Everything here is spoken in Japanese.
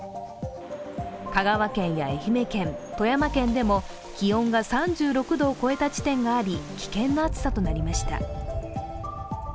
香川県や愛媛県、富山県でも気温が３６度を超えた地点があり危険な暑さとなりました。